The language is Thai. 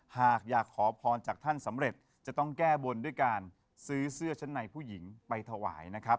หากอยากขอพรจากท่านสำเร็จจะต้องแก้บนด้วยการซื้อเสื้อชั้นในผู้หญิงไปถวายนะครับ